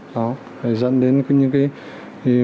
đó dẫn đến những cái